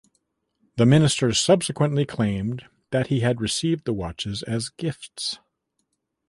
The minister subsequently claimed that he had received the watches as gifts.